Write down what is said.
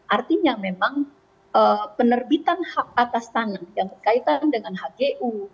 artinya memang penerbitan hak atas tanah yang berkaitan dengan hgu